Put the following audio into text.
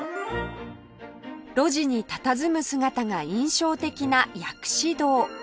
路地にたたずむ姿が印象的な薬師堂